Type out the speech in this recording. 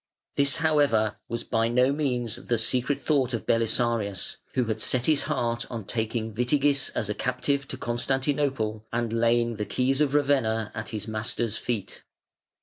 This, however, was by no means the secret thought of Belisarius, who had set his heart on taking Witigis as a captive to Constantinople, and laying the keys of Ravenna at his master's feet.